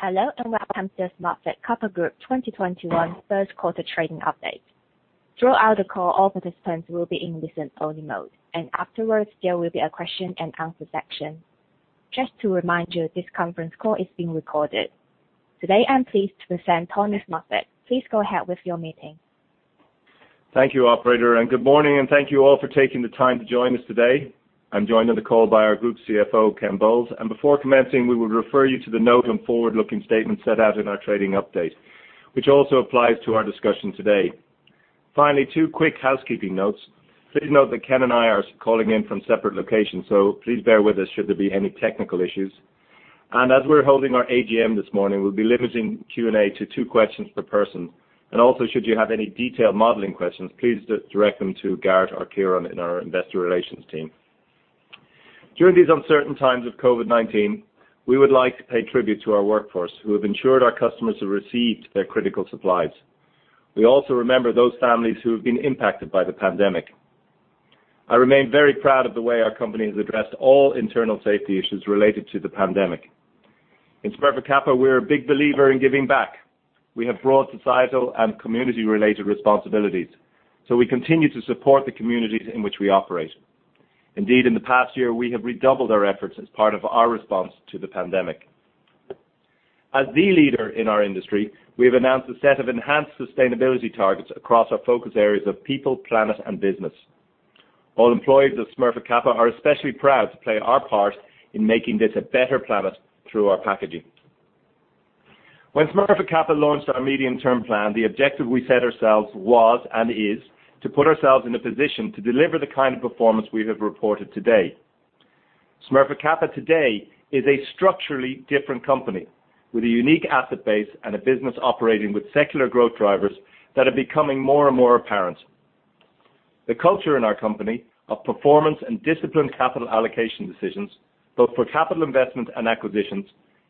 Hello, and welcome to Smurfit Kappa Group 2021 first quarter trading update. Throughout the call, all participants will be in listen-only mode, and afterwards, there will be a question-and-answer section. Just to remind you, this conference call is being recorded. Today, I'm pleased to present Tony Smurfit. Please go ahead with your meeting. Thank you, operator, and good morning, and thank you all for taking the time to join us today. I'm joined on the call by our Group CFO, Ken Bowles, and before commencing, we will refer you to the note on forward-looking statements set out in our trading update, which also applies to our discussion today. Finally, two quick housekeeping notes. Please note that Ken and I are calling in from separate locations, so please bear with us should there be any technical issues, and as we're holding our AGM this morning, we'll be limiting Q&A to two questions per person, and also, should you have any detailed modeling questions, please direct them to Garrett or Ciaran in our investor relations team. During these uncertain times of COVID-19, we would like to pay tribute to our workforce, who have ensured our customers have received their critical supplies. We also remember those families who have been impacted by the pandemic. I remain very proud of the way our company has addressed all internal safety issues related to the pandemic. In Smurfit Kappa, we're a big believer in giving back. We have broad societal and community-related responsibilities, so we continue to support the communities in which we operate. Indeed, in the past year, we have redoubled our efforts as part of our response to the pandemic. As the leader in our industry, we have announced a set of enhanced sustainability targets across our focus areas of People, Planet, and Business. All employees of Smurfit Kappa are especially proud to play our part in making this a better planet through our packaging. When Smurfit Kappa launched our Medium-Term Plan, the objective we set ourselves was, and is, to put ourselves in a position to deliver the kind of performance we have reported today. Smurfit Kappa today is a structurally different company, with a unique asset base and a business operating with secular growth drivers that are becoming more and more apparent. The culture in our company of performance and disciplined capital allocation decisions, both for capital investment and acquisitions,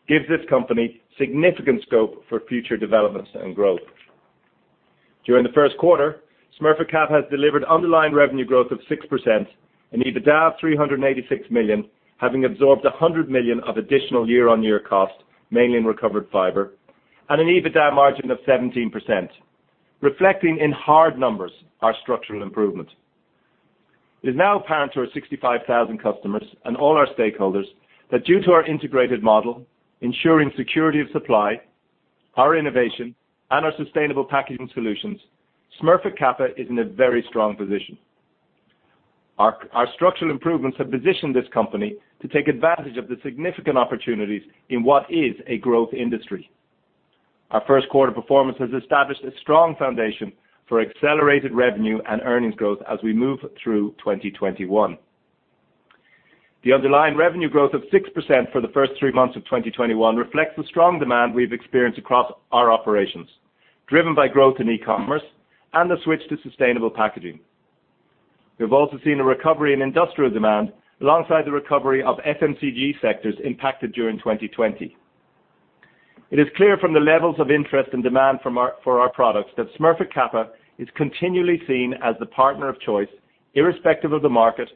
gives this company significant scope for future developments and growth. During the first quarter, Smurfit Kappa has delivered underlying revenue growth of 6%, an EBITDA of 386 million, having absorbed 100 million of additional year-on-year cost, mainly in recovered fiber, and an EBITDA margin of 17%, reflecting in hard numbers our structural improvement. It is now apparent to our sixty-five thousand customers and all our stakeholders that due to our integrated model, ensuring security of supply, our innovation, and our sustainable packaging solutions, Smurfit Kappa is in a very strong position. Our structural improvements have positioned this company to take advantage of the significant opportunities in what is a growth industry. Our first quarter performance has established a strong foundation for accelerated revenue and earnings growth as we move through 2021. The underlying revenue growth of 6% for the first three months of 2021 reflects the strong demand we've experienced across our operations, driven by growth in e-commerce and the switch to sustainable packaging. We've also seen a recovery in industrial demand alongside the recovery of FMCG sectors impacted during 2020. It is clear from the levels of interest and demand for our products, that Smurfit Kappa is continually seen as the partner of choice, irrespective of the market,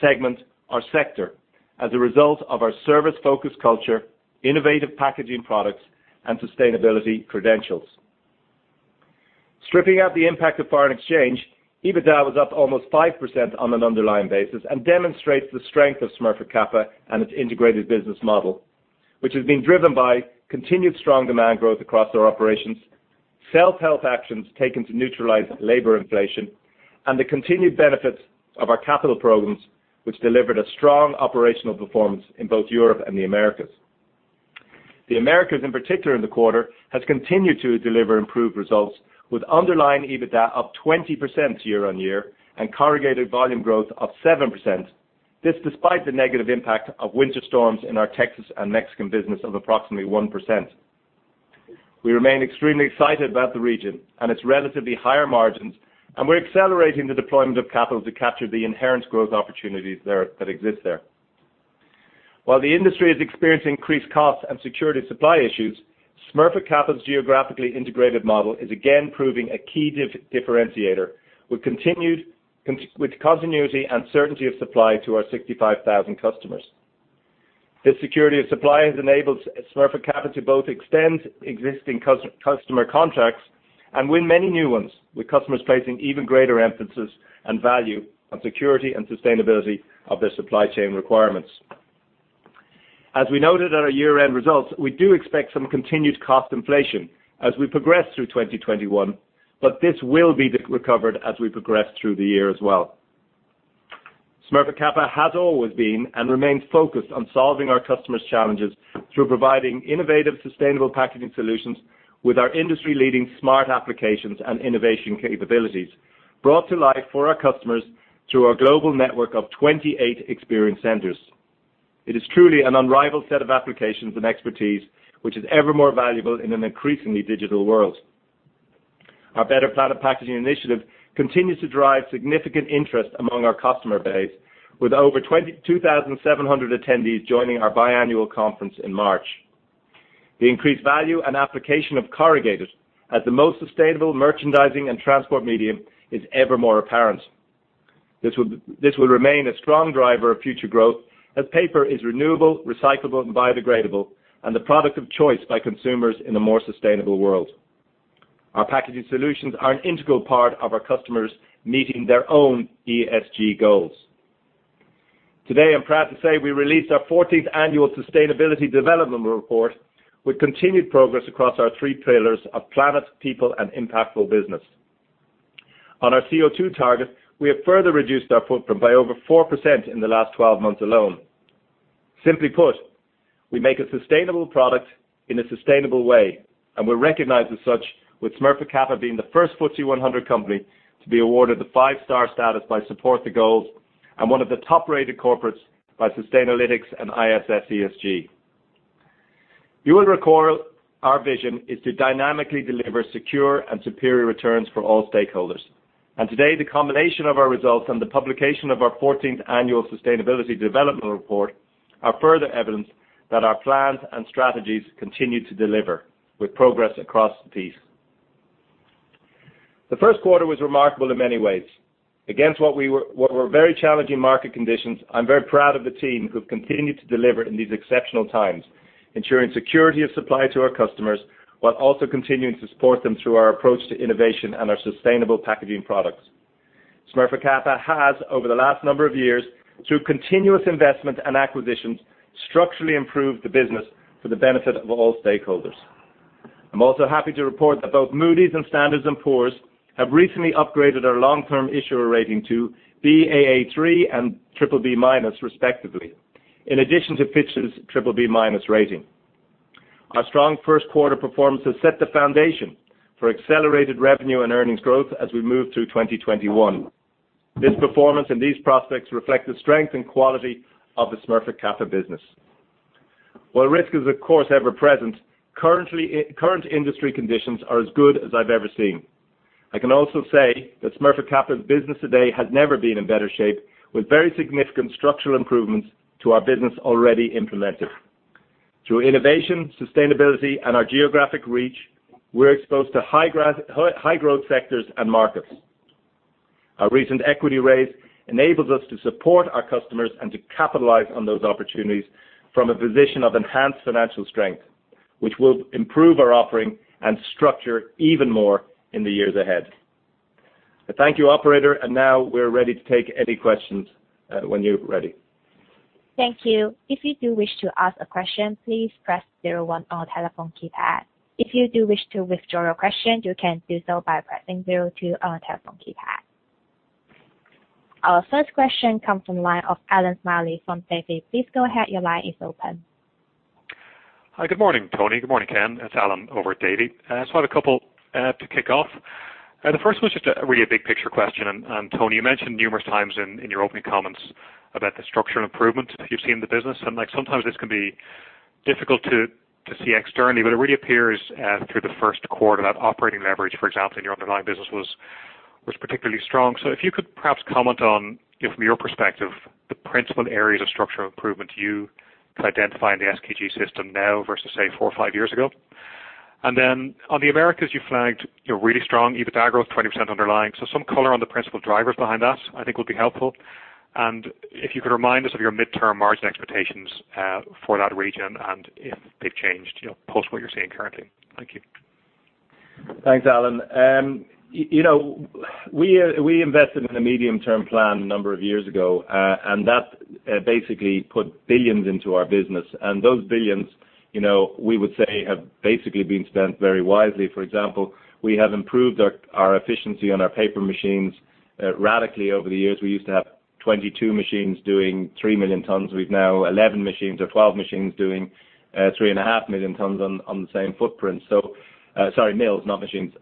segment, or sector, as a result of our service-focused culture, innovative packaging products, and sustainability credentials. Stripping out the impact of foreign exchange, EBITDA was up almost 5% on an underlying basis and demonstrates the strength of Smurfit Kappa and its integrated business model, which has been driven by continued strong demand growth across our operations, self-help actions taken to neutralize labor inflation, and the continued benefits of our capital programs, which delivered a strong operational performance in both Europe and the Americas. The Americas, in particular in the quarter, has continued to deliver improved results, with underlying EBITDA up 20% year on year and corrugated volume growth up 7%. This despite the negative impact of winter storms in our Texas and Mexican business of approximately 1%. We remain extremely excited about the region and its relatively higher margins, and we're accelerating the deployment of capital to capture the inherent growth opportunities there, that exist there. While the industry is experiencing increased costs and security supply issues, Smurfit Kappa's geographically integrated model is again proving a key differentiator, with continued continuity and certainty of supply to our 65,000 customers. This security of supply has enabled Smurfit Kappa to both extend existing customer contracts and win many new ones, with customers placing even greater emphasis and value on security and sustainability of their supply chain requirements. As we noted at our year-end results, we do expect some continued cost inflation as we progress through 2021, but this will be recovered as we progress through the year as well. Smurfit Kappa has always been, and remains focused on solving our customers' challenges through providing innovative, sustainable packaging solutions with our industry-leading smart applications and innovation capabilities, brought to life for our customers through our global network of 28 experience centers. It is truly an unrivaled set of applications and expertise, which is ever more valuable in an increasingly digital world. Our Better Planet Packaging initiative continues to drive significant interest among our customer base, with over 22,700 attendees joining our biannual conference in March. The increased value and application of corrugated as the most sustainable merchandising and transport medium is ever more apparent. This will, this will remain a strong driver of future growth, as paper is renewable, recyclable, and biodegradable, and the product of choice by consumers in a more sustainable world. Our packaging solutions are an integral part of our customers meeting their own ESG goals. Today, I'm proud to say we released our fourteenth annual sustainability development report with continued progress across our three pillars of Planet, People, and Impactful Business. On our CO2 target, we have further reduced our footprint by over 4% in the last twelve months alone. Simply put, we make a sustainable product in a sustainable way, and we're recognized as such, with Smurfit Kappa being the first FTSE 100 company to be awarded the five-star status by Support the Goals, and one of the top-rated corporates by Sustainalytics and ISS ESG. You will recall our vision is to dynamically deliver secure and superior returns for all stakeholders, and today, the combination of our results and the publication of our fourteenth annual sustainable development report are further evidence that our plans and strategies continue to deliver with progress across the piece. The first quarter was remarkable in many ways. Against what were very challenging market conditions, I'm very proud of the team who've continued to deliver in these exceptional times, ensuring security of supply to our customers, while also continuing to support them through our approach to innovation and our sustainable packaging products. Smurfit Kappa has, over the last number of years, through continuous investment and acquisitions, structurally improved the business for the benefit of all stakeholders. I'm also happy to report that both Moody's and Standard & Poor's have recently upgraded our long-term issuer rating to Baa3 and triple B minus, respectively, in addition to Fitch's triple B minus rating. Our strong first quarter performance has set the foundation for accelerated revenue and earnings growth as we move through 2021. This performance and these prospects reflect the strength and quality of the Smurfit Kappa business. While risk is, of course, ever present, currently, current industry conditions are as good as I've ever seen. I can also say that Smurfit Kappa's business today has never been in better shape, with very significant structural improvements to our business already implemented. Through innovation, sustainability, and our geographic reach, we're exposed to high growth sectors and markets. Our recent equity raise enables us to support our customers and to capitalize on those opportunities from a position of enhanced financial strength, which will improve our offering and structure even more in the years ahead. Thank you, operator, and now we're ready to take any questions, when you're ready. Thank you. If you do wish to ask a question, please press 01 on your telephone keypad. If you do wish to withdraw your question, you can do so by pressing zero two on your telephone keypad. Our first question comes from the line of Allan Smillie from Kepler Cheuvreux. Please go ahead. Your line is open. Hi, good morning, Tony. Good morning, Ken. It's Allan over Cheuvreux. So, I have a couple to kick off. The first one's just a really big picture question. And Tony, you mentioned numerous times in your opening comments about the structural improvements that you've seen in the business, and like, sometimes this can be difficult to see externally, but it really appears through the first quarter that operating leverage, for example, in your underlying business was particularly strong. So, if you could perhaps comment on, you know, from your perspective, the principal areas of structural improvement you could identify in the SKG system now versus, say, four or five years ago. And then on the Americas, you flagged, you know, really strong EBITDA growth, 20% underlying. So, some color on the principal drivers behind that, I think, would be helpful. And if you could remind us of your medium-term margin expectations for that region, and if they've changed, you know, post what you're seeing currently. Thank you. Thanks, Allan. You know, we invested in a Medium-Term Plan a number of years ago, and that basically put billions into our business, and those billions, you know, we would say, have basically been spent very wisely. For example, we have improved our efficiency on our paper machines radically over the years. We used to have 22 machines doing 3 million tons. We've now 11 machines or 12 machines doing 3.5 million tons on the same footprint. So, sorry, mills, not machines.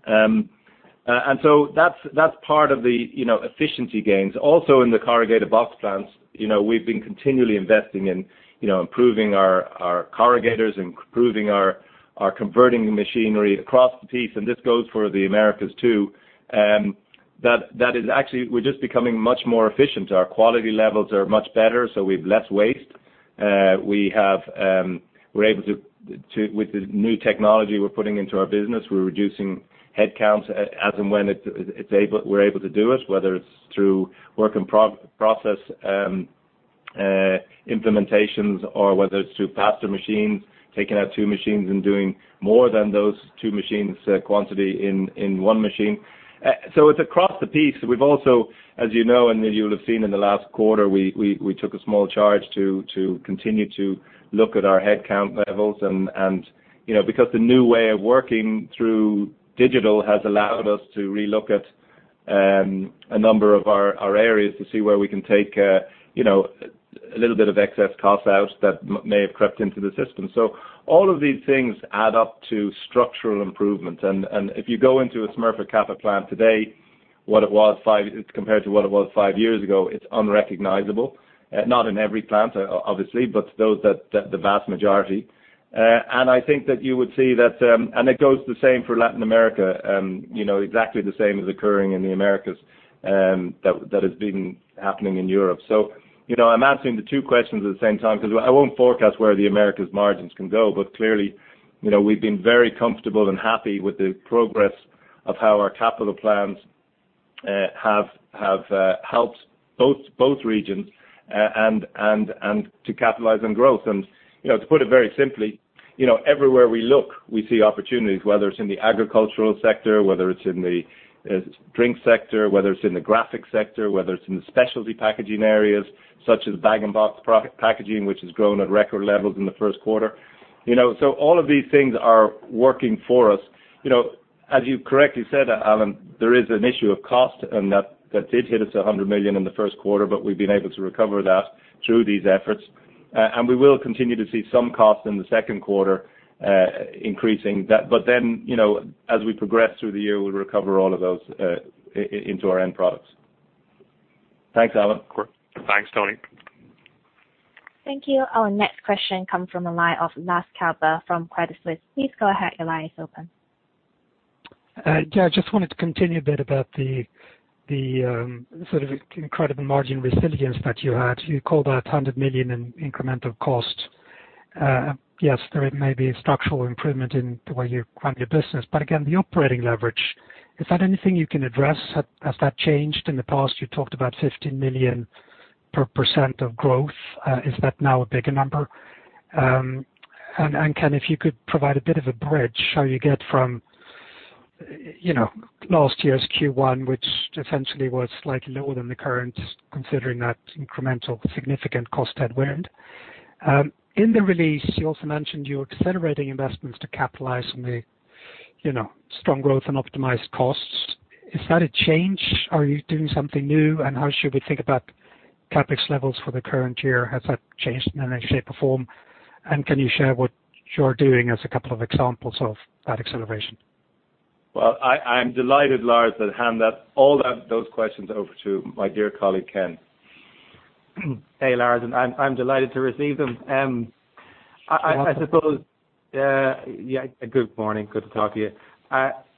And so that's part of the, you know, efficiency gains. Also, in the corrugated box plants, you know, we've been continually investing in, you know, improving our corrugators, improving our converting machinery across the piece, and this goes for the Americas, too. That is actually... We're just becoming much more efficient. Our quality levels are much better, so we have less waste. We have, we're able to with the new technology we're putting into our business, we're reducing headcounts as, and when it's able, we're able to do it, whether it's through work and process implementations, or whether it's through faster machines, taking out two machines and doing more than those two machines quantity in one machine. So it's across the piece. We've also, as you know, and as you'll have seen in the last quarter, we took a small charge to continue to look at our headcount levels and, you know, because the new way of working through digital has allowed us to relook at a number of our areas to see where we can take you know a little bit of excess costs out that may have crept into the system. So, all of these things add up to structural improvement, and if you go into a Smurfit Kappa plant today compared to what it was five years ago, it's unrecognizable. Not in every plant, obviously, but the vast majority. I think that you would see that. It goes the same for Latin America. You know, exactly the same is occurring in the Americas, that has been happening in Europe. So, you know, I'm answering the two questions at the same time, because I won't forecast where the Americas margins can go, but clearly, you know, we've been very comfortable and happy with the progress of how our capital plans have helped both regions and to capitalize on growth, and you know, to put it very simply, you know, everywhere we look, we see opportunities, whether it's in the agricultural sector, whether it's in the drinks sector, whether it's in the graphics sector, whether it's in the specialty packaging areas, such as Bag-in-Box packaging, which has grown at record levels in the first quarter. You know, so all of these things are working for us. You know, as you correctly said, Allan, there is an issue of cost, and that did hit us 100 million in the first quarter, but we've been able to recover that through these efforts. And we will continue to see some costs in the second quarter, increasing. But then, you know, as we progress through the year, we'll recover all of those into our end products. Thanks, Allan. Sure. Thanks, Tony. Thank you. Our next question comes from the line of Lars Kjellberg from Credit Suisse. Please go ahead, your line is open. Yeah, I just wanted to continue a bit about the sort of incredible margin resilience that you had. You called out 100 million in incremental cost. Yes, there may be a structural improvement in the way you run your business, but again, the operating leverage, is that anything you can address? Has that changed in the past? You talked about 15 million per 1% of growth. Is that now a bigger number? And Ken, if you could provide a bit of a bridge, how you get from, you know, last year's Q1, which essentially was slightly lower than the current, considering that incremental, significant cost headwind. In the release, you also mentioned you're accelerating investments to capitalize on the, you know, strong growth and optimized costs. Is that a change? Are you doing something new, and how should we think about CapEx levels for the current year? Has that changed in any shape or form? And can you share what you're doing as a couple of examples of that acceleration? I'm delighted, Lars, to hand all those questions over to my dear colleague, Ken. Hey, Lars, and I'm delighted to receive them. I suppose- Yeah, good morning. Good to talk to you.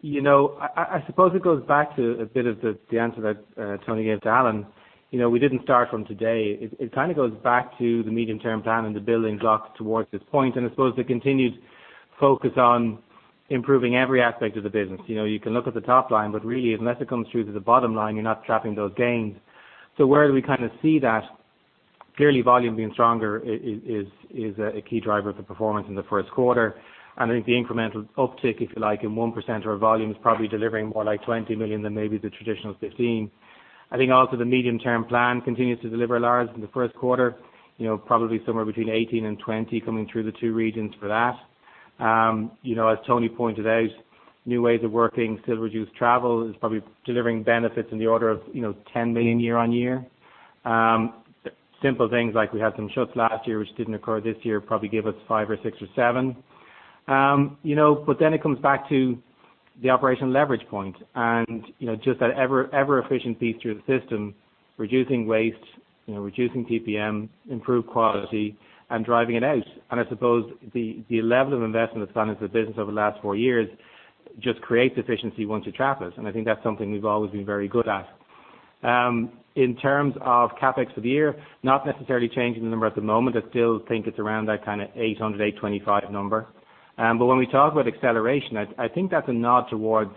You know, I suppose it goes back to a bit of the answer that Tony gave to Allan. You know, we didn't start from today. It kind of goes back to the medium-term plan and the building blocks towards this point, and I suppose the continued focus on improving every aspect of the business. You know, you can look at the top line, but really, unless it comes through to the bottom line, you are not trapping those gains. So where do we kind of see that? Clearly, volume being stronger is a key driver of the performance in the first quarter, and I think the incremental uptick, if you like, in 1% of our volume, is probably delivering more like 20 million than maybe the traditional 15. I think also the medium-term plan continues to deliver, Lars, in the first quarter, you know, probably somewhere between 18 million and 20 million coming through the two regions for that. You know, as Tony pointed out, new ways of working, still reduced travel, is probably delivering benefits in the order of, you know, 10 million year on year. Simple things like we had some shuts last year, which didn't occur this year, probably gave us five or six or seven. You know, but then it comes back to the operational leverage point and, you know, just that ever-efficient piece through the system, reducing waste, you know, reducing PPM, improved quality, and driving it out. And I suppose the level of investment that's done in the business over the last four years just creates efficiency once you trap it, and I think that's something we've always been very good at. In terms of CapEx for the year, not necessarily changing the number at the moment. I still think it's around that kind of 800-825 number. But when we talk about acceleration, I think that's a nod towards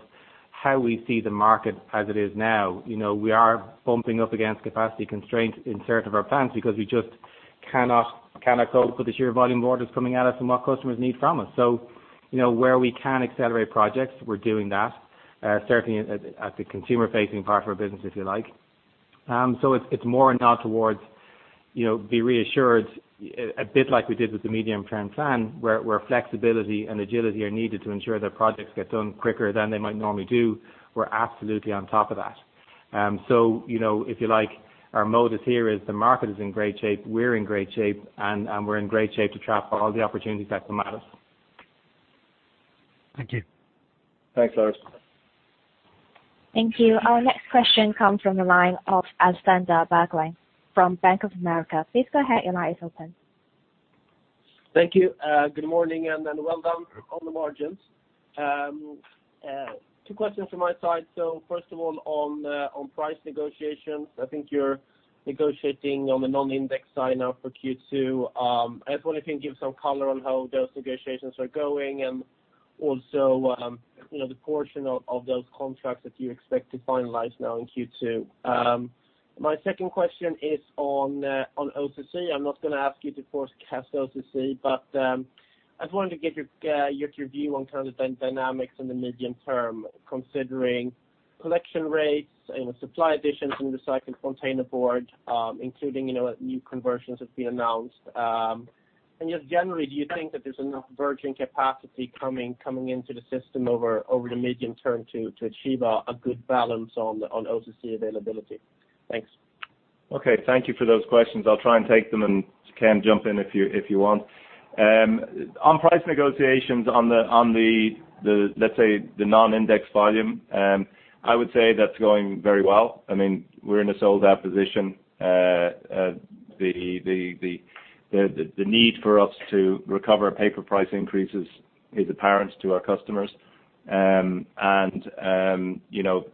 how we see the market as it is now. You know, we are bumping up against capacity constraints in certain of our plants because we just cannot cope with the sheer volume orders coming at us and what customers need from us. So, you know, where we can accelerate projects, we're doing that, certainly at the consumer-facing part of our business, if you like. So, it's more a nod towards, you know, be reassured, a bit like we did with the Medium-Term Plan, where flexibility and agility are needed to ensure that projects get done quicker than they might normally do. We're absolutely on top of that. So, you know, if you like, our modus here is the market is in great shape, we're in great shape, and we're in great shape to trap all the opportunities that come at us. Thank you. Thanks, Lars. Thank you. Our next question comes from the line of Alexander Berglund from Bank of America. Please go ahead, your line is open. Thank you, good morning, and well done on the margins. Two questions from my side. So first of all, on price negotiations, I think you're negotiating on the non-index side now for Q2. I was wondering if you can give some color on how those negotiations are going, and also, you know, the portion of those contracts that you expect to finalize now in Q2. My second question is on OCC. I'm not gonna ask you to forecast OCC, but I just wanted to get your view on kind of dynamics in the medium term, considering collection rates, you know, supply additions in the cycled containerboard, including, you know, what new conversions have been announced. Just generally, do you think that there's enough virgin capacity coming into the system over the medium term to achieve a good balance on OCC availability? Thanks. Okay. Thank you for those questions. I'll try and take them, and Ken, jump in if you want. On price negotiations, let's say, the non-index volume, I would say that's going very well. I mean, we're in a sold-out position. The need for us to recover paper price increases is apparent to our customers. And, you know,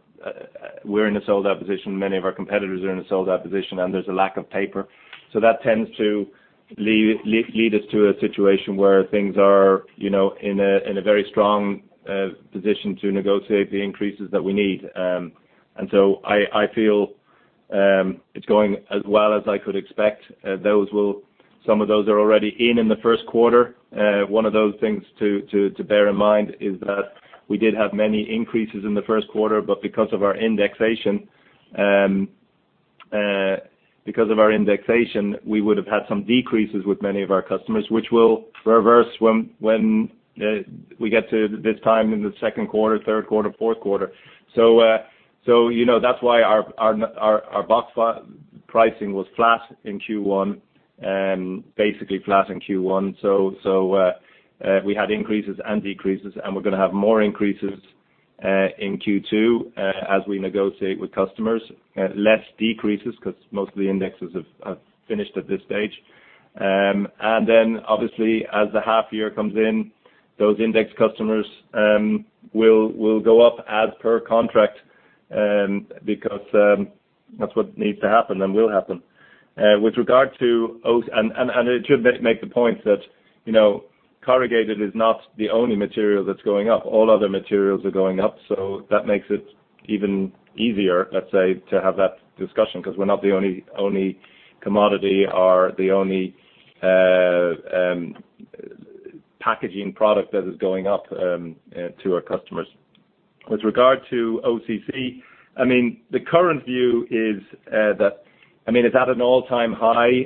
we're in a sold-out position, many of our competitors are in a sold-out position, and there's a lack of paper. So that tends to lead us to a situation where things are, you know, in a very strong position to negotiate the increases that we need. And so, I feel it's going as well as I could expect. Those will, some of those are already in the first quarter. One of those things to bear in mind is that we did have many increases in the first quarter, but because of our indexation, we would have had some decreases with many of our customers, which will reverse when we get to this time in the second quarter, third quarter, fourth quarter. So, you know, that's why our box pricing was flat in Q1, basically flat in Q1. So, we had increases and decreases, and we're gonna have more increases in Q2 as we negotiate with customers. Less decreases, 'cause most of the indexes have finished at this stage. And then obviously, as the half year comes in, those index customers will go up as per contract, because that's what needs to happen and will happen. With regard to OCC, and I should make the point that, you know, corrugated is not the only material that's going up. All other materials are going up, so that makes it even easier, let's say, to have that discussion, 'cause we're not the only commodity or the only packaging product that is going up to our customers. With regard to OCC, I mean, the current view is that I mean, it's at an all-time high.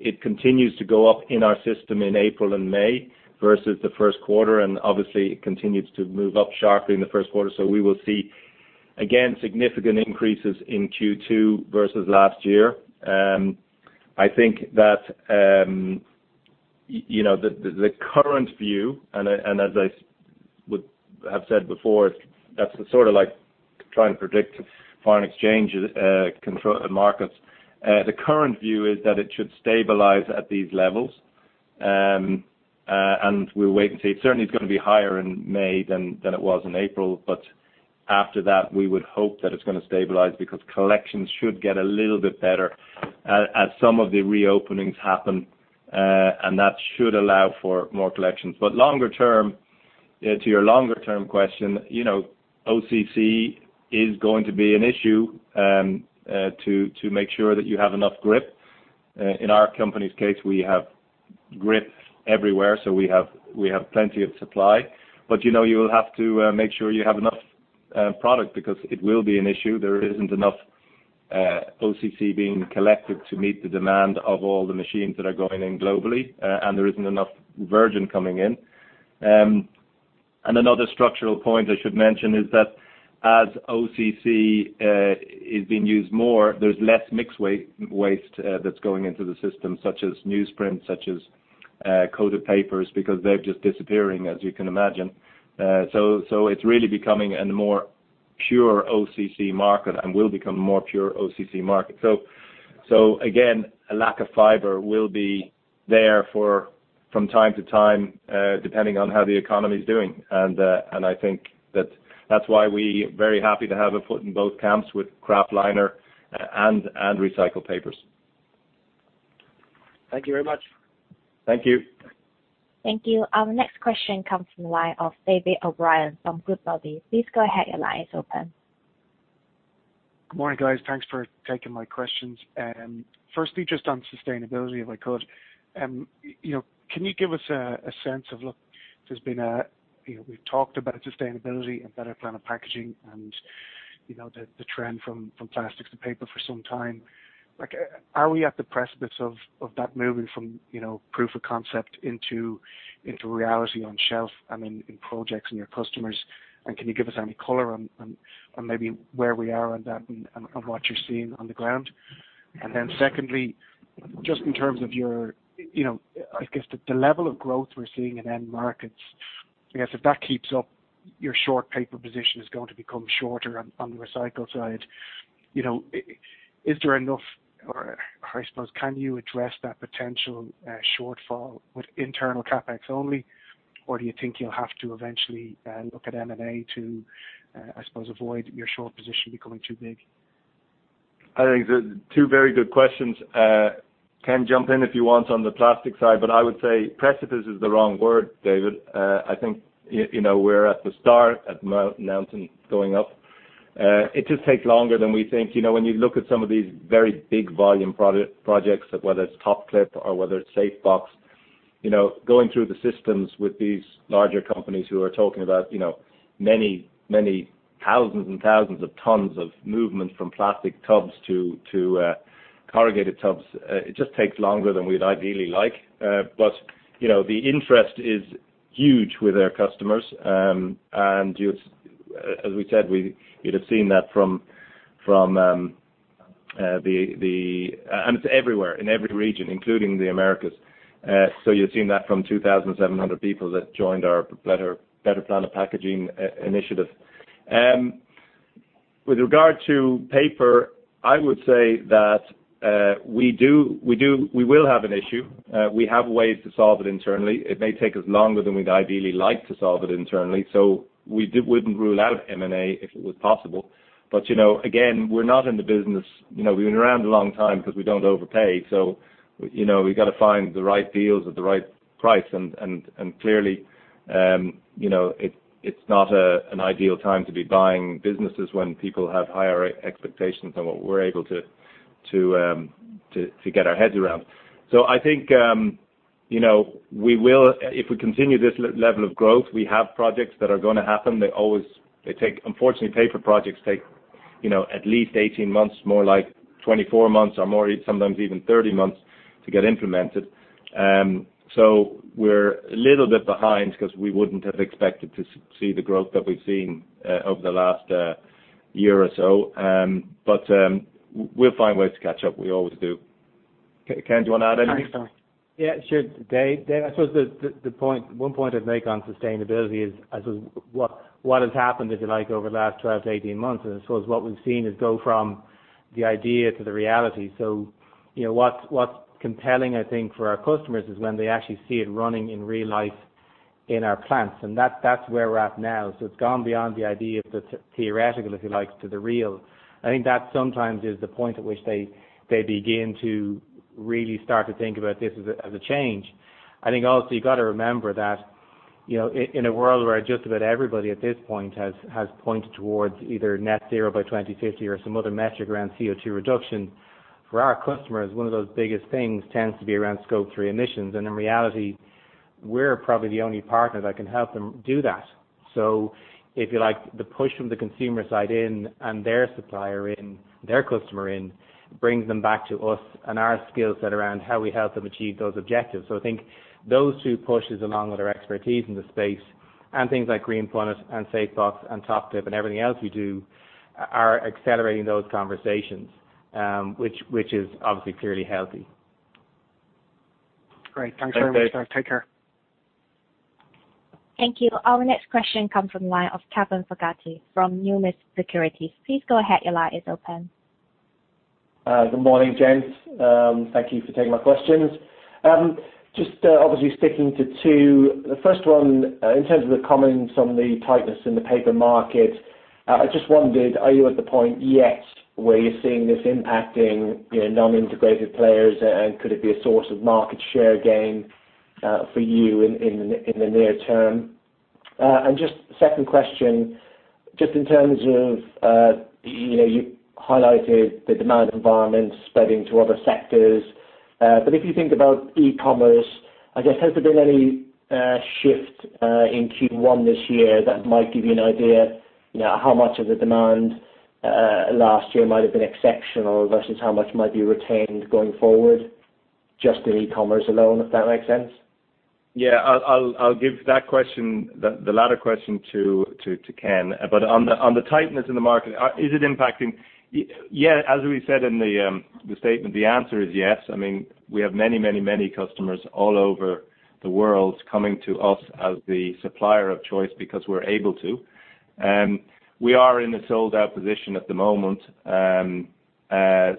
It continues to go up in our system in April and May, versus the first quarter, and obviously, it continues to move up sharply in the first quarter. So, we will see, again, significant increases in Q2 versus last year. I think that you know, the current view, and as I would have said before, that's sort of like trying to predict foreign exchange control markets. The current view is that it should stabilize at these levels. And we'll wait and see. It certainly is gonna be higher in May than it was in April, but after that, we would hope that it's gonna stabilize because collections should get a little bit better as some of the reopenings happen, and that should allow for more collections. But longer term, to your longer-term question, you know, OCC is going to be an issue to make sure that you have enough grip. In our company's case, we have kraft everywhere, so we have plenty of supply. But you know, you will have to make sure you have enough product, because it will be an issue. There isn't enough OCC being collected to meet the demand of all the machines that are going in globally, and there isn't enough virgin coming in. And another structural point I should mention is that as OCC is being used more, there's less mixed waste that's going into the system, such as newsprint, such as coated papers, because they're just disappearing, as you can imagine. So, it's really becoming a more pure OCC market and will become a more pure OCC market. Again, a lack of fiber will be there from time to time, depending on how the economy is doing. And I think that's why we very happy to have a foot in both camps with kraftliner and recycled papers. Thank you very much. Thank you. Thank you. Our next question comes from the line of David O'Brien from Goodbody. Please go ahead, your line is open. Good morning, guys. Thanks for taking my questions. Firstly, just on sustainability, if I could. You know, can you give us a sense of... Look, there's been a, you know, we've talked about sustainability and Better Planet Packaging and, you know, the trend from plastics to paper for some time. Like, are we at the precipice of that moving from proof of concept into reality on shelf, I mean, in projects and your customers? And can you give us any color on maybe where we are on that and on what you're seeing on the ground? And then secondly, just in terms of your, you know, I guess the level of growth we're seeing in end markets, I guess if that keeps up, your short paper position is going to become shorter on the recycled side. You know, is there enough or I suppose, can you address that potential shortfall with internal CapEx only? Or do you think you'll have to eventually look at M&A to I suppose, avoid your short position becoming too big? I think the two very good questions. Ken, jump in if you want, on the plastic side, but I would say precipice is the wrong word, David. I think you know, we're at the start, at mountain going up. It just takes longer than we think. You know, when you look at some of these very big volume projects, whether it's TopClip or whether it's SafeBox, you know, going through the systems with these larger companies who are talking about, you know, many, many thousands and thousands of tons of movement from plastic tubs to, to, corrugated tubs, it just takes longer than we'd ideally like. But, you know, the interest is huge with our customers. And you've... As we said, you'd have seen that from the... And it's everywhere, in every region, including the Americas. So you've seen that from 2,700 people that joined our Better Planet Packaging Initiative. With regard to paper, I would say that we will have an issue. We have ways to solve it internally. It may take us longer than we'd ideally like to solve it internally, so we wouldn't rule out M&A if it was possible. But, you know, again, we're not in the business. You know, we've been around a long time because we don't overpay, so, you know, we've got to find the right deals at the right price. Clearly, you know, it's not an ideal time to be buying businesses when people have higher expectations than what we're able to get our heads around. So, I think, you know, we will, if we continue this level of growth, we have projects that are gonna happen. They always, they take, unfortunately, paper projects take, you know, at least 18 months, more like 24 months or more, sometimes even 30 months to get implemented. So, we're a little bit behind because we wouldn't have expected to see the growth that we've seen over the last year or so. But we'll find ways to catch up. We always do. Ken, do you want to add anything? Yeah, sure, Dave. Dave, I suppose the one point I'd make on sustainability is what has happened, if you like, over the last 12-18 months, and I suppose what we've seen is gone from the idea to the reality. You know, what's compelling, I think, for our customers, is when they actually see it running in real life in our plants, and that's where we're at now. It's gone beyond the idea of the theoretical, if you like, to the real. I think that sometimes is the point at which they begin to really start to think about this as a change. I think also you've got to remember that, you know, in a world where just about everybody at this point has pointed towards either net zero by 2050 or some other metric around CO2 reduction, for our customers, one of those biggest things tends to be around Scope 3 emissions. And in reality, we're probably the only partner that can help them do that. So, if you like, the push from the consumer side in, and their supplier in, their customer in, brings them back to us and our skill set around how we help them achieve those objectives. So, I think those two pushes, along with our expertise in the space and things like Green Planet and SafeBox and TopClip and everything else we do, are accelerating those conversations, which is obviously clearly healthy. Great. Thanks very much. Take care. Thank you. Our next question comes from the line of Kevin Fogarty from Numis Securities. Please go ahead. Your line is open. Good morning, gents. Thank you for taking my questions. Just, obviously sticking to two. The first one, in terms of the comments on the tightness in the paper market, I just wondered, are you at the point yet where you're seeing this impacting, you know, non-integrated players, and could it be a source of market share gain, for you in the near term? And just second question, just in terms of, you know, you highlighted the demand environment spreading to other sectors. But if you think about e-commerce, I guess, has there been any shift in Q1 this year that might give you an idea, you know, how much of the demand last year might have been exceptional versus how much might be retained going forward, just in e-commerce alone, if that makes sense? Yeah, I'll give that question, the latter question to Ken. But on the tightness in the market, is it impacting? Yeah, as we said in the statement, the answer is yes. I mean, we have many customers all over the world coming to us as the supplier of choice because we're able to. We are in a sold-out position at the moment.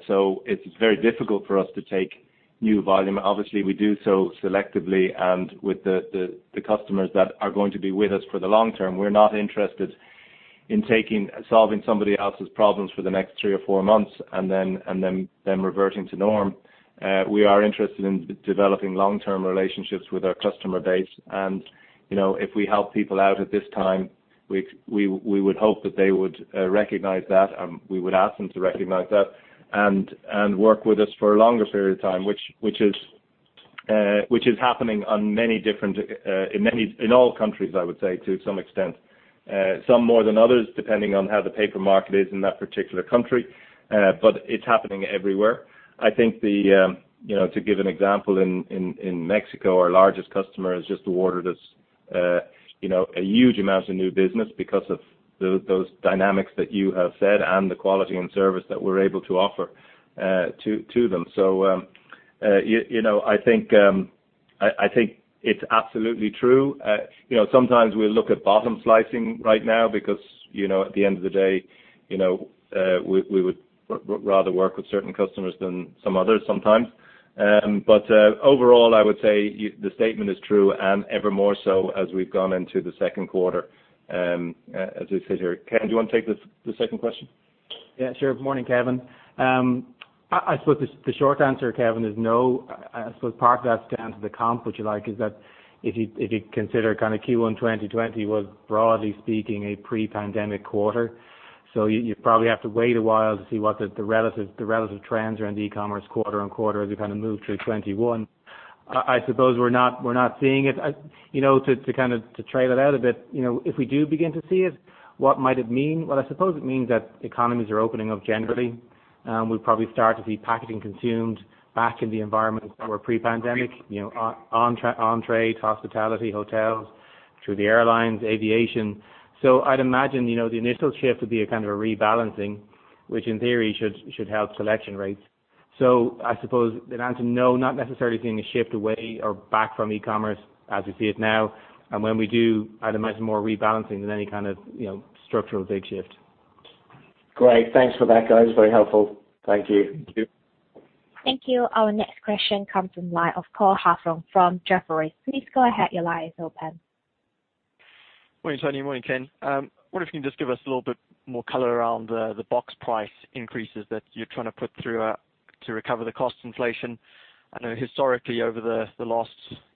So, it's very difficult for us to take new volume. Obviously, we do so selectively and with the customers that are going to be with us for the long term. We're not interested in taking... solving somebody else's problems for the next three or four months and then reverting to norm. We are interested in developing long-term relationships with our customer base. You know, if we help people out at this time, we would hope that they would recognize that, and we would ask them to recognize that and work with us for a longer period of time, which is happening on many different, in all countries, I would say, to some extent. Some more than others, depending on how the paper market is in that particular country, but it's happening everywhere. I think, you know, to give an example, in Mexico, our largest customer has just awarded us, you know, a huge amount of new business because of those dynamics that you have said and the quality and service that we're able to offer to them. So, you know, I think it's absolutely true. You know, sometimes we look at bottom slicing right now because, you know, at the end of the day, you know, we would rather work with certain customers than some others, sometimes. But overall, I would say the statement is true and ever more so as we've gone into the second quarter, as we sit here. Ken, do you want to take this, the second question? Yeah, sure. Morning, Kevin. I suppose the short answer, Kevin, is no. I suppose part of that's down to the comp, what you like, is that if you consider kind of Q1 2020 was, broadly speaking, a pre-pandemic quarter. So, you probably have to wait a while to see what the relative trends around the e-commerce quarter on quarter as we kind of move through 2021. I suppose we're not seeing it. You know, to kind of trail it out a bit, you know, if we do begin to see it, what might it mean? Well, I suppose it means that economies are opening up generally. We'll probably start to see packaging consumed back in the environments that were pre-pandemic, you know, on-trade, hospitality, hotels, through the airlines, aviation. So I'd imagine, you know, the initial shift would be a kind of a rebalancing, which in theory should help collection rates, so I suppose the answer, no, not necessarily seeing a shift away or back from e-commerce as we see it now, and when we do, I'd imagine more rebalancing than any kind of, you know, structural big shift. Great. Thanks for that, guys. Very helpful. Thank you. Thank you. Thank you. Our next question comes from the line of Cole Hathorn from Jefferies. Please go ahead. Your line is open. Morning, Tony. Morning, Ken. Wonder if you can just give us a little bit more color around the box price increases that you're trying to put through to recover the cost inflation. I know historically, over the last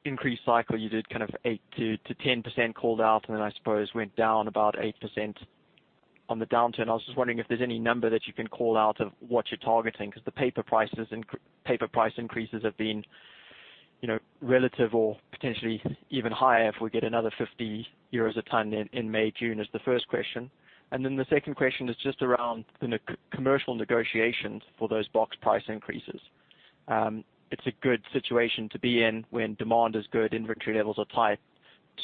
increase cycle, you did kind of 8%-10% called out, and then I suppose went down about 8% on the downturn. I was just wondering if there's any number that you can call out of what you're targeting, 'cause the paper price increases have been, you know, relative or potentially even higher if we get another 50 euros a ton in May, June. Is the first question. And then the second question is just around the commercial negotiations for those box price increases. It's a good situation to be in when demand is good, inventory levels are tight,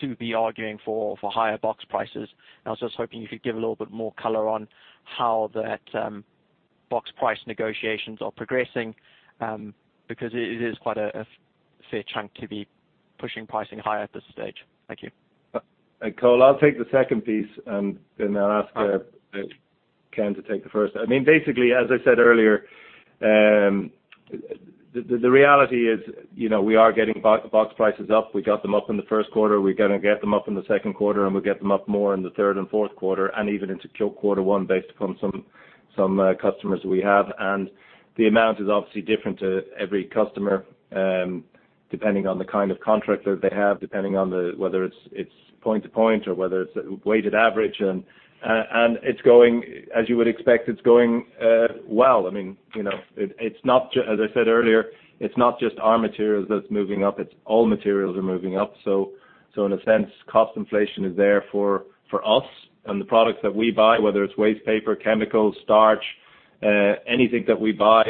to be arguing for higher box prices. I was just hoping you could give a little bit more color on how that box price negotiations are progressing, because it is quite a fair chunk to be pushing pricing higher at this stage. Thank you. Cole, I'll take the second piece, and then I'll ask. All right... Ken to take the first. I mean, basically, as I said earlier, the reality is, you know, we are getting box prices up. We got them up in the first quarter, we're gonna get them up in the second quarter, and we'll get them up more in the third and fourth quarter, and even into quarter one, based upon some customers we have. And the amount is obviously different to every customer, depending on the kind of contract that they have, depending on whether it's point to point or whether it's a weighted average. And it's going, as you would expect, it's going well. I mean, you know, it, it's not just, as I said earlier, it's not just our materials that's moving up, it's all materials are moving up. In a sense, cost inflation is there for us, and the products that we buy, whether it's wastepaper, chemicals, starch, anything that we buy,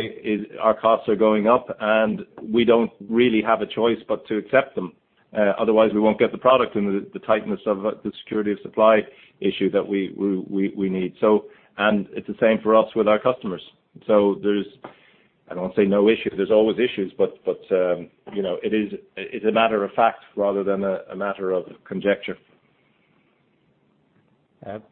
our costs are going up, and we don't really have a choice but to accept them. Otherwise, we won't get the product and the tightness of the security of supply issue that we need, and it's the same for us with our customers, so there's, I don't want to say no issue, there's always issues, but you know, it is, it's a matter of fact rather than a matter of conjecture.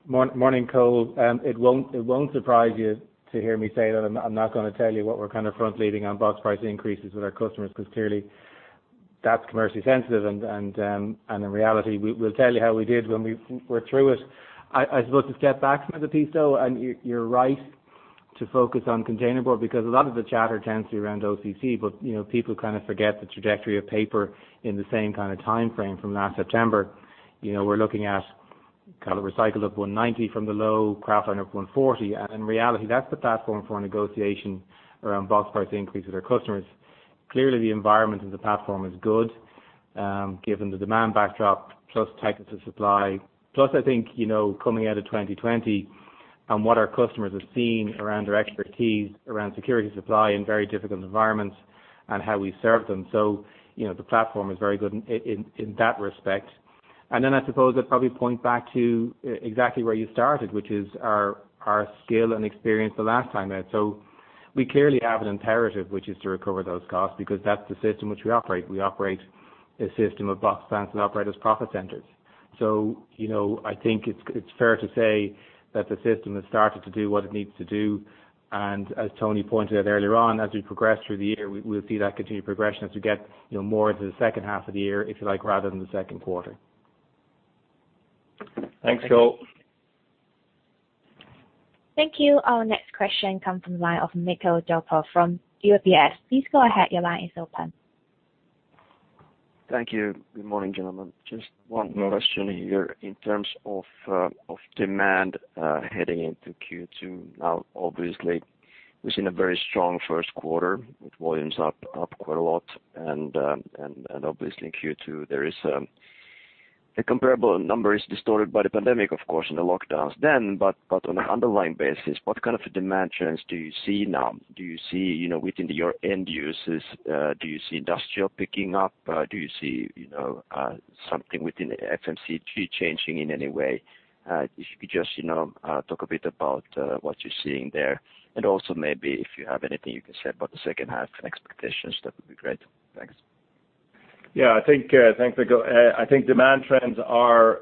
Morning, Cole. It won't surprise you to hear me say that I'm not gonna tell you what we're kind of front-leading on box price increases with our customers, 'cause clearly, that's commercially sensitive, and in reality, we'll tell you how we did when we're through it. I suppose to step back from the piece though, and you're right to focus on container board, because a lot of the chatter tends to be around OCC, but you know, people kind of forget the trajectory of paper in the same kind of timeframe from last September. You know, we're looking at kind of a recycle of 190 from the low, kraftliner of 140, and in reality, that's the platform for a negotiation around box price increase with our customers. Clearly, the environment in the platform is good, given the demand backdrop, plus tightness of supply. Plus, I think, you know, coming out of 2020 and what our customers have seen around our expertise, around security of supply in very difficult environments and how we serve them. So, you know, the platform is very good in that respect. And then I suppose I'd probably point back to exactly where you started, which is our skill and experience the last time out. So we clearly have an imperative, which is to recover those costs, because that's the system which we operate. We operate a system of box plants that operate as profit centers. You know, I think it's fair to say that the system has started to do what it needs to do, and as Tony pointed out earlier on, as we progress through the year, we'll see that continued progression as we get, you know, more into the second half of the year, if you like, rather than the second quarter. Thanks, Cole. Thank you. Thank you. Our next question come from the line of Mikael Doepel from UBS. Please go ahead, your line is open. Thank you. Good morning, gentlemen. Just one more question here in terms of of demand heading into Q2. Now, obviously, we've seen a very strong first quarter, with volumes up quite a lot, and obviously in Q2, there is the comparable number is distorted by the pandemic, of course, and the lockdowns then. But on an underlying basis, what kind of demand trends do you see now? Do you see, you know, within your end users, do you see industrial picking up? Do you see, you know, something within the FMCG changing in any way? If you could just, you know, talk a bit about what you're seeing there, and also maybe if you have anything you can say about the second half and expectations, that would be great. Thanks. Yeah, I think. Thanks, Mikael. I think demand trends are,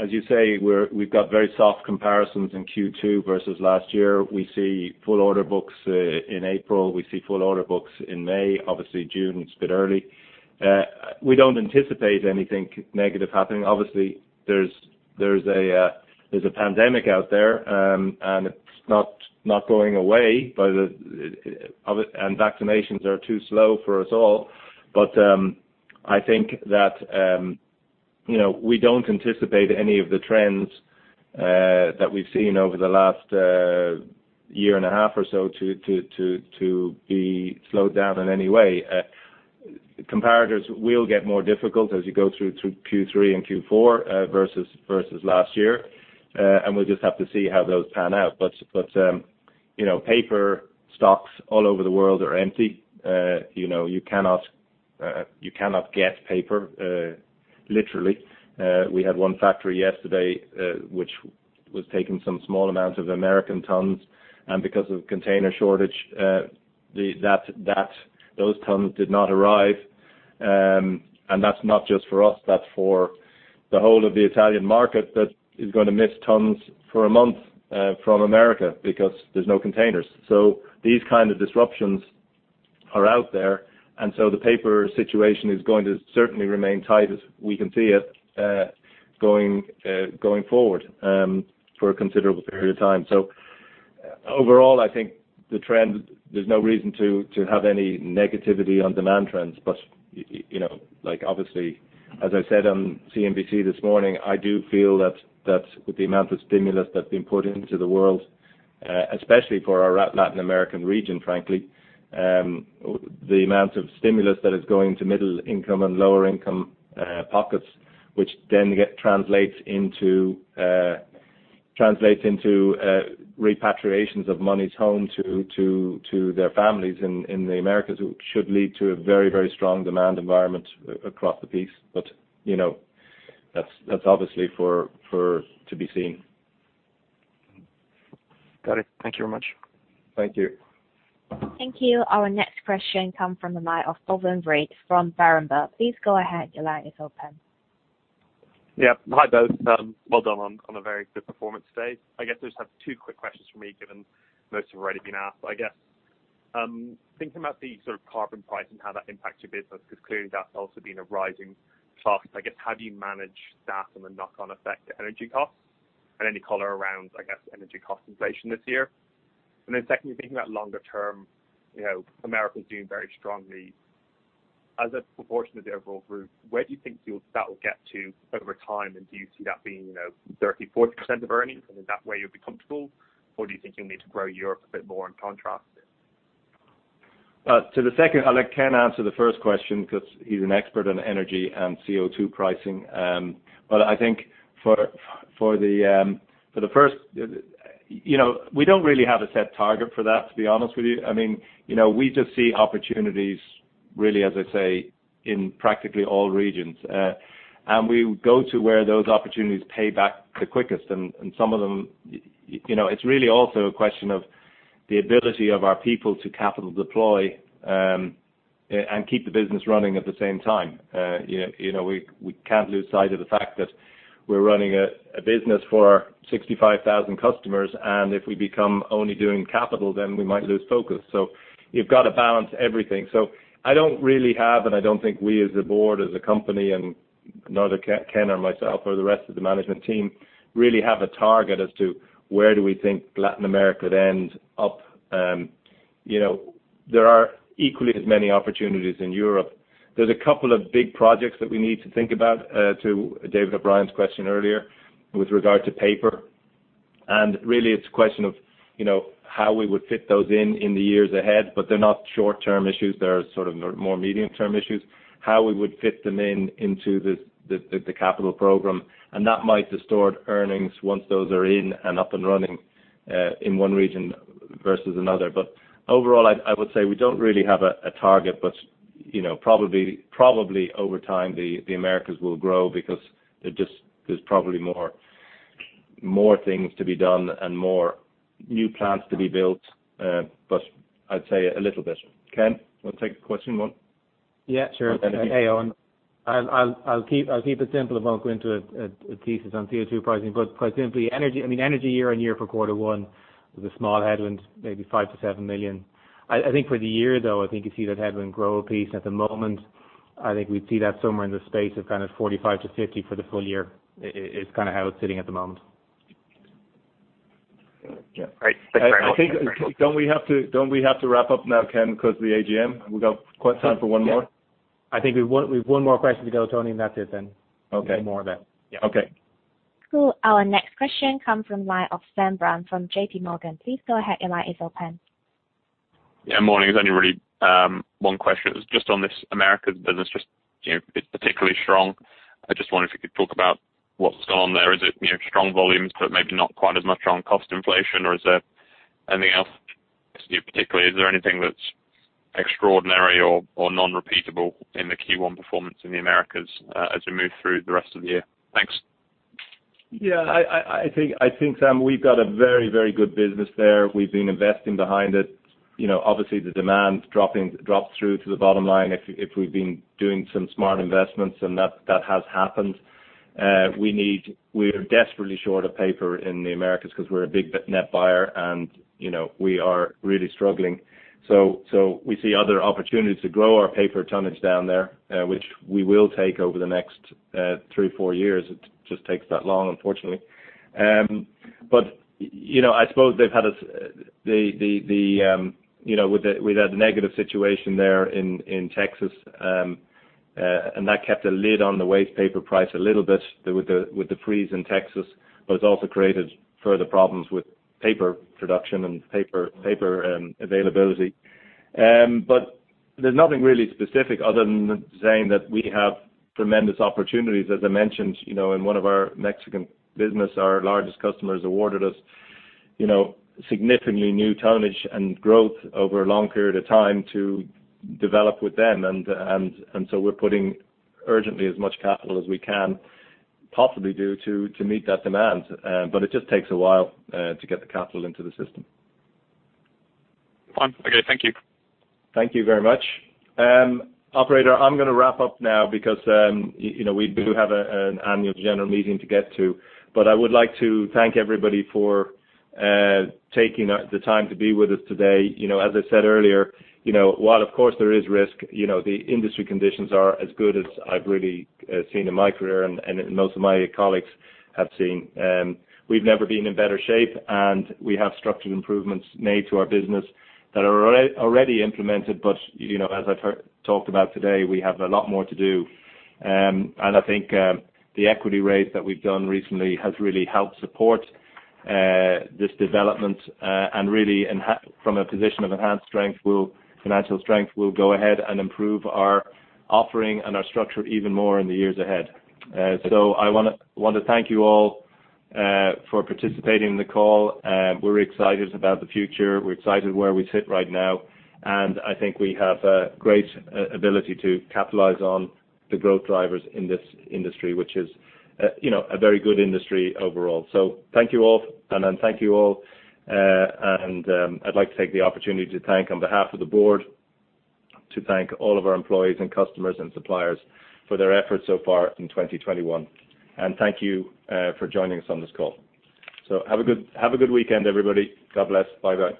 as you say, we've got very soft comparisons in Q2 versus last year. We see full order books in April. We see full order books in May. Obviously, June, it's a bit early. We don't anticipate anything negative happening. Obviously, there's a pandemic out there, and it's not going away, but and vaccinations are too slow for us all. But, I think that, you know, we don't anticipate any of the trends that we've seen over the last year and a half or so to be slowed down in any way. Comparators will get more difficult as you go through to Q3 and Q4 versus last year. And we'll just have to see how those pan out. But you know, paper stocks all over the world are empty. You know, you cannot get paper literally. We had one factory yesterday which was taking some small amounts of American tons, and because of container shortage, those tons did not arrive. And that's not just for us; that's for the whole of the Italian market that is gonna miss tons for a month from America because there's no containers. So, these kinds of disruptions are out there, and so the paper situation is going to certainly remain tight as we can see it going forward for a considerable period of time. Overall, I think the trend, there's no reason to have any negativity on demand trends. But you know, like, obviously, as I said on CNBC this morning, I do feel that with the amount of stimulus that's been put into the world, especially for our Latin American region, frankly, the amount of stimulus that is going to middle income and lower income pockets, which then translates into repatriations of monies home to their families in the Americas, should lead to a very, very strong demand environment across the board. But you know, that's obviously yet to be seen. Got it. Thank you very much. Thank you. Thank you. Our next question comes from the line of Ewan McGeoch from Berenberg. Please go ahead. Your line is open. Yeah. Hi, both. Well done on a very good performance today. I guess I just have two quick questions for me, given most have already been asked. I guess, thinking about the sort of carbon price and how that impacts your business, because clearly, that's also been a rising cost. I guess, how do you manage that and the knock-on effect to energy costs? And any color around, I guess, energy cost inflation this year. And then secondly, thinking about longer term, you know, America is doing very strongly. As a proportion of the overall group, where do you think you'll-- that will get to over time? And do you see that being, you know, 30, 40% of earnings, and then that way you'll be comfortable? Or do you think you'll need to grow Europe a bit more in contrast? To the second, I'll let Ken answer the first question 'cause he's an expert on energy and CO2 pricing. But I think for the first, you know, we don't really have a set target for that, to be honest with you. I mean, you know, we just see opportunities, really, as I say, in practically all regions. And we go to where those opportunities pay back the quickest. And some of them, you know, it's really also a question of the ability of our people to capital deploy and keep the business running at the same time. You know, we can't lose sight of the fact that we're running a business for 65,000 customers, and if we become only doing capital, then we might lose focus. So, you've got to balance everything. So, I don't really have, and I don't think we, as a board, as a company, and nor do Ken or myself or the rest of the management team, really have a target as to where do we think Latin America would end up. You know, there are equally as many opportunities in Europe. There's a couple of big projects that we need to think about, to David O'Brien's question earlier with regard to paper. And really, it's a question of, you know, how we would fit those in, in the years ahead. But they're not short-term issues, they're sort of more medium-term issues. How we would fit them into the capital program, and that might distort earnings once those are in and up and running, in one region versus another. But overall, I would say we don't really have a target, but, you know, probably over time, the Americas will grow because there just... There's probably more things to be done and more new plants to be built, but I'd say a little bit. Ken, want to take a question more? Yeah, sure. Okay. Hey, Owen. I'll keep it simple and won't go into a thesis on CO2 pricing. But quite simply, energy, I mean, energy year on year for quarter one is a small headwind, maybe 5-7 million. I think for the year, though, I think you see that headwind grow a piece. At the moment, I think we'd see that somewhere in the space of kind of 45-50 for the full year. It's kind of how it's sitting at the moment. Yeah. Great. Thank you very much. I think, don't we have to wrap up now, Ken, because of the AGM? We've got quite some time for one more. I think we've one more question to go, Tony, and that's it then. Okay. No more of that. Yeah. Okay. Cool. Our next question comes from the line of Sam Bland from J.P. Morgan. Please go ahead. Your line is open. Yeah, morning. It's only really one question. Just on this Americas business, just, you know, it's particularly strong. I just wondered if you could talk about what's going on there. Is it, you know, strong volumes, but maybe not quite as much on cost inflation, or is there anything else, particularly, is there anything that's extraordinary or non-repeatable in the Q1 performance in the Americas as we move through the rest of the year? Thanks. Yeah. I think, Sam, we've got a very, very good business there. We've been investing behind it. You know, obviously, the demand drops through to the bottom line if we've been doing some smart investments, and that has happened. We're desperately short of paper in the Americas because we're a big net buyer, and, you know, we are really struggling. So, we see other opportunities to grow our paper tonnage down there, which we will take over the next three or four years. It just takes that long, unfortunately. But, you know, I suppose they've had a... You know, with that negative situation there in Texas, and that kept a lid on the wastepaper price a little bit with the freeze in Texas, but it's also created further problems with paper production and paper availability. But there's nothing really specific other than saying that we have tremendous opportunities. As I mentioned, you know, in one of our Mexican businesses, our largest customers awarded us, you know, significantly new tonnage and growth over a long period of time to develop with them. And so, we're putting urgently as much capital as we can possibly do to meet that demand, but it just takes a while to get the capital into the system. Fine. Okay, thank you. Thank you very much. Operator, I'm gonna wrap up now because you know, we do have an annual general meeting to get to. But I would like to thank everybody for taking the time to be with us today. You know, as I said earlier, you know, while of course there is risk, you know, the industry conditions are as good as I've really seen in my career and most of my colleagues have seen. We've never been in better shape, and we have structured improvements made to our business that are already implemented, but you know, as I've talked about today, we have a lot more to do. I think the equity raise that we've done recently has really helped support this development and really enhance from a position of enhanced financial strength. We'll go ahead and improve our offering and our structure even more in the years ahead. I want to thank you all for participating in the call. We're excited about the future. We're excited where we sit right now, and I think we have a great ability to capitalize on the growth drivers in this industry, which is, you know, a very good industry overall. Thank you all and then thank you all. I'd like to take the opportunity to thank, on behalf of the board, all of our employees and customers and suppliers for their efforts so far in 2021. And thank you for joining us on this call. So have a good weekend, everybody. God bless. Bye-bye.